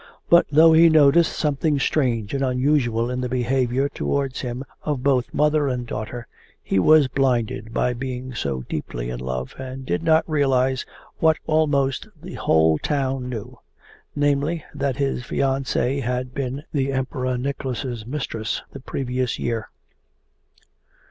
But though he noticed something strange and unusual in the behaviour towards him of both mother and daughter, he was blinded by being so deeply in love, and did not realize what almost the whole town knew namely, that his fiancee had been the Emperor Nicholas's mistress the previous year.